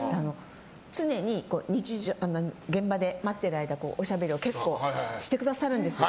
常に現場で待っている間おしゃべりを結構してくださるんですよ。